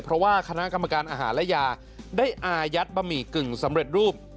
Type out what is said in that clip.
เพราะว่าคณะกรรมการอาหารและยาได้อายัดบะหมี่กึ่งสำเร็จรูป